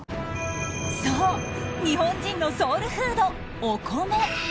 そう日本人のソウルフードお米。